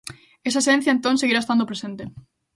Esa esencia, entón, seguirá estando presente.